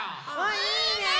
いいね！